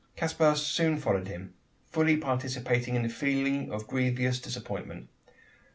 Caspar soon followed him fully participating in the feeling of grievous disappointment.